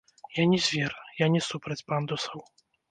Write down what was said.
Я не звер, я не супраць пандусаў.